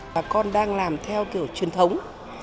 bà con đang làm theo kiểu truyền thống